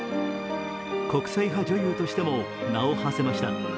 国際派女優としても名をはせました。